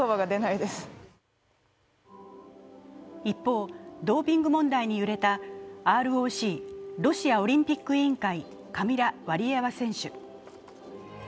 一方、ドーピング問題に揺れたＲＯＣ＝ロシアオリンピック委員会、カミラ・ワリエワ選手。